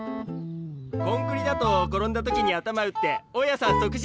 コンクリだと転んだ時に頭打って大家さん即死っすよ！